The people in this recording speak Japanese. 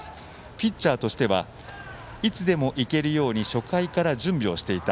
ピッチャーとしてはいつでもいけるように初回から準備をしていた。